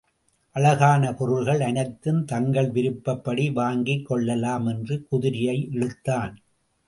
அழகான பொருள்கள் அனைத்தும் தங்கள் விருப்பப்படி வாங்கிக் கொள்ளலாம் என்று, குதிரையை இழுத்தான்.